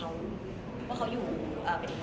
เอาจริงเรื่องความรักมันไม่มีใครโง่ไม่มีใครชะละค่ะ